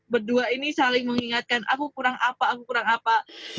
berdua ini saling mengingatkan aku kurang apa aku kurang apa